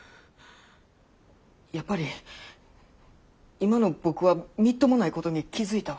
やっぱり今の僕はみっともないことに気付いたわ。